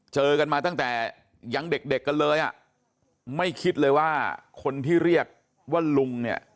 เจอกันมาตั้งแต่ยังเด็กเด็กกันเลยอ่ะไม่คิดเลยว่าคนที่เรียกว่าลุงเนี่ย